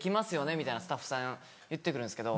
みたいなスタッフさん言って来るんですけど。